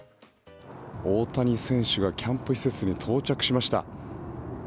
大谷選手がキャンプ施設に到着しました。